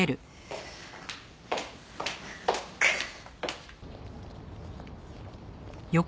くっ！